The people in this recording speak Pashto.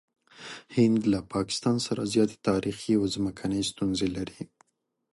هند له پاکستان سره زیاتې تاریخي او ځمکني ستونزې لري.